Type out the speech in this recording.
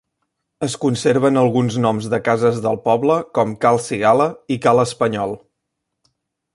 Es conserven alguns noms de cases del poble, com Cal Cigala i Ca l'Espanyol.